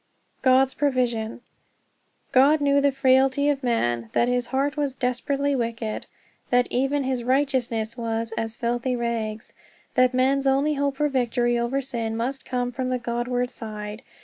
=God's Provision= God knew the frailty of man, that his heart was "desperately wicked," that even his righteousness was "as filthy rags," that man's only hope for victory over sin must come from the God ward side.